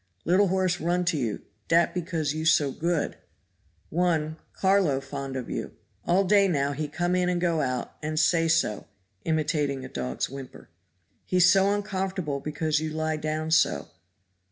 Little horse run to you, dat because you so good. One Carlo fond of you. All day now he come in and go out, and say so (imitating a dog's whimper). He so uncomfortable because you lie down so.